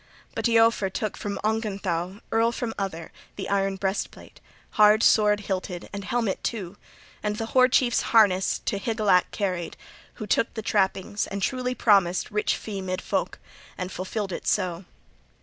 But Eofor took from Ongentheow, earl from other, the iron breastplate, hard sword hilted, and helmet too, and the hoar chief's harness to Hygelac carried, who took the trappings, and truly promised rich fee 'mid folk, and fulfilled it so.